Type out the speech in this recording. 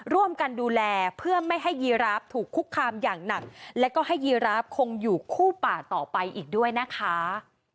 ร่วมกันดูแลเพื่อไม่ให้ยีราฟถูกคุกคามอย่างหนักและก็ให้ยีราฟคงอยู่คู่ป่าต่อไปอีกด้วยนะคะ